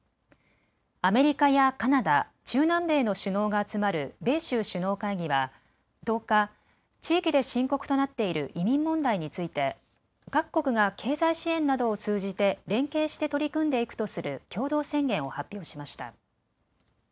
アメリカやカナダ、中南米の首脳が集まる米州首脳会議は１０日、地域で深刻となっている移民問題について各国が経済支援などを通じて連携して取り組んでいくとする共同宣言を発表しました。